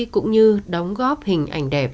cũng như đóng góp hình ảnh đẹp